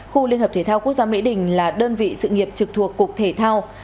khu liên hợp thể thao quốc gia mỹ đình là đơn vị sự nghiệp trực thuộc cục thể thao